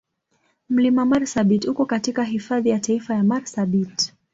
Mlima Marsabit uko katika Hifadhi ya Taifa ya Marsabit.